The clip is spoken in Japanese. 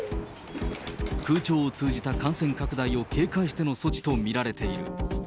空調を通じた感染拡大を警戒しての措置と見られている。